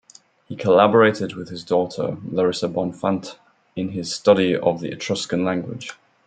He collaborated with his daughter, Larissa Bonfante, in his study of the Etruscan language.